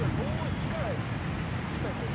近いここ。